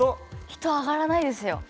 人上がらないですよ。